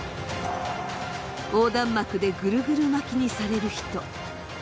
横断幕でぐるぐる巻きにされる人。